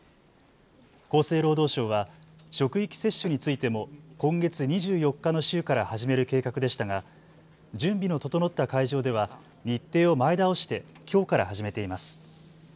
厚生労働省は職域接種についても今月２４日の週から始める計画でしたが準備の整った会場では日程を前倒してきょうから始めています。